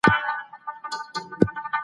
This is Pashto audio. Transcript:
نن مې د يار د راتلو ورځ ده